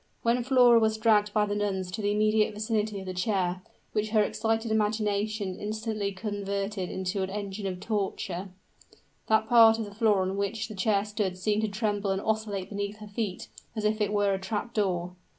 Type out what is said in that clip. When Flora was dragged by the nuns to the immediate vicinity of the chair, which her excited imagination instantly converted into an engine of torture, that part of the floor on which the chair stood seemed to tremble and oscillate beneath her feet, as if it were a trap door.